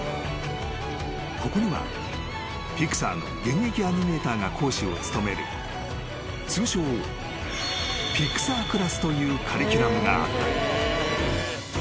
［ここにはピクサーの現役アニメーターが講師を務める通称ピクサー・クラスというカリキュラムがあった］